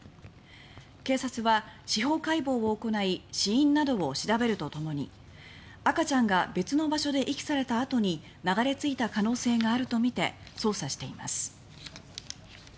警察は司法解剖を行い死因などを調べるとともに赤ちゃんが別の場所で遺棄された後に流れ着いた可能性があるとみて捜査しています。